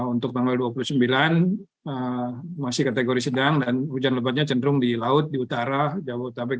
untuk tanggal dua puluh sembilan masih kategori sedang dan hujan lebatnya cenderung di laut di utara jabodetabek